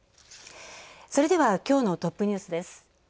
それでは、きょうのトップニュースです。